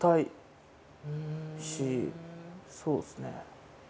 そうですね。